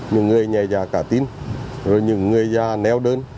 những người nhà già cả tín rồi những người già neo đơn